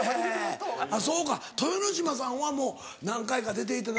あっそうか豊ノ島さんはもう何回か出ていただいてるんだ。